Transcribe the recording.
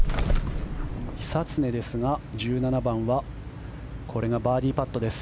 久常ですが１７番はこれがバーディーパットです。